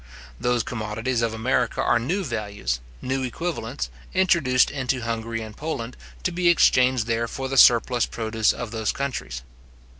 Those commodities of America are new values, new equivalents, introduced into Hungary and Poland, to be exchanged there for the surplus produce of these countries.